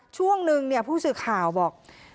ช่วงนึงเนี่ยผู้สื่อข่าวบอก